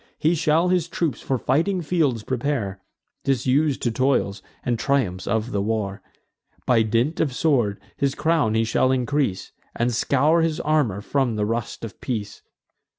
He shall his troops for fighting fields prepare, Disus'd to toils, and triumphs of the war. By dint of sword his crown he shall increase, And scour his armour from the rust of peace.